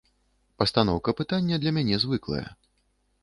Пастаноўка пытання для мяне звыклая.